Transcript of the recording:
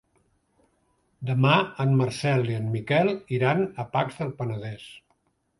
Demà en Marcel i en Miquel iran a Pacs del Penedès.